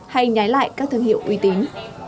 hay nhái lại các thương hiệu uy tín